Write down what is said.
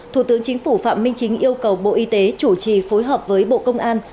thủ tướng chính phủ phạm minh chính yêu cầu bộ y tế chủ trì phối hợp với bộ công an